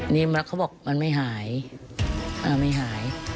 นี่เขาบอกมันไม่หายไม่หาย